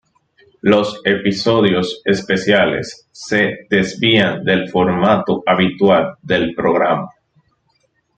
Los episodios especiales se desvían del formato habitual del programa.